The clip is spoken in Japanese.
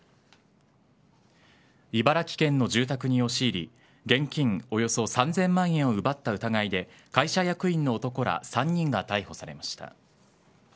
茨城県の住宅に押し入り現金およそ３０００万円を奪った疑いで会社役員の男ら３人が逮捕されました。